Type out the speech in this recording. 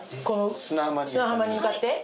砂浜に向かって？